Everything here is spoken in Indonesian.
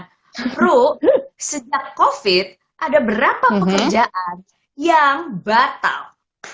ru sejak covid ada berapa pekerjaan yang batal